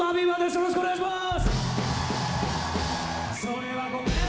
よろしくお願いします。